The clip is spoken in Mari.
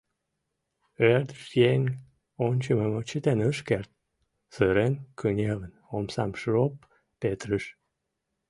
Ӧрдыжъеҥ ончымым чытен ыш керт, сырен кынелын, омсам шроп петырыш.